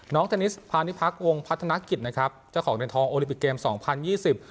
เทนนิสพาณิพักษวงพัฒนกิจนะครับเจ้าของเหรียญทองโอลิปิกเกมสองพันยี่สิบ